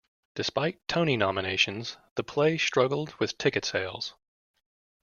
Despite Tony nominations, the play struggled with ticket sales.